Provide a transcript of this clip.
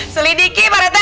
selidiki pak rete